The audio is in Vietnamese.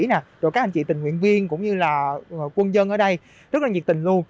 các anh chị tình nguyện viên cũng như là quân dân ở đây rất là nhiệt tình luôn